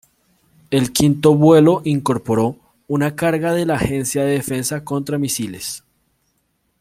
El quinto vuelo incorporó una carga de la Agencia de Defensa contra Misiles.